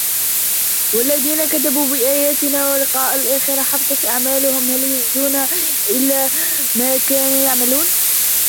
والذين كذبوا بآياتنا ولقاء الآخرة حبطت أعمالهم هل يجزون إلا ما كانوا يعملون